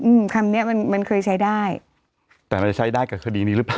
อืมคำเนี้ยมันมันเคยใช้ได้แต่มันจะใช้ได้กับคดีนี้หรือเปล่า